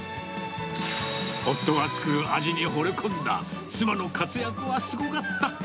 夫が作る味にほれ込んだ妻の活躍はすごかった。